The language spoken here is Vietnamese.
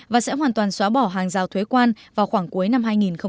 và sẽ hoàn toàn xóa bỏ hàng rào thuế quan vào khoảng cuối năm hai nghìn hai mươi